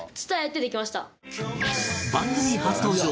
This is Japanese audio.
番組初登場